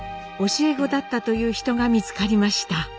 教え子だったという人が見つかりました。